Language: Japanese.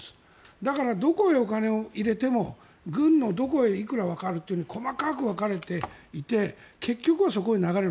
だから、どこにお金を入れても軍のどこへいくら行くかわかる細かく分かれていて結局はそこへ流れる。